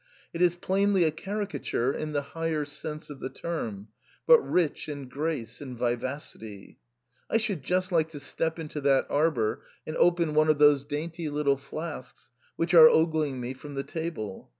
It is plainly a caricature in the higher sense of the term, but rich in grace and vivacity. I should just like to step into that arbour and open one of those dainty little flasks which are ogling me from the table.